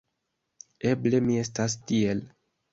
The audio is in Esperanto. Eble mi estas tiel.